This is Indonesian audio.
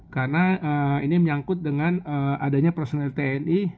karena ini menyangkut dengan adanya personal tni